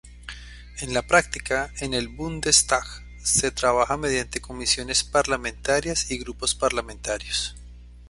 En la práctica, en el Bundestag se trabaja mediante comisiones parlamentarias y grupos parlamentarios.